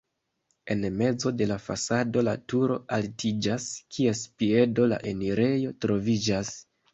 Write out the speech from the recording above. En mezo de la fasado la turo altiĝas, kies piedo la enirejo troviĝas.